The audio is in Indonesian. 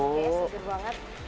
kayaknya seger banget